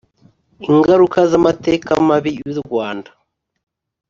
Ingaruka z amateka mabi y u rwanda